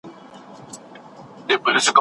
بادرنګ بدن سړوي.